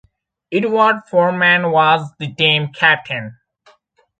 Edwin Foresman was the team captain.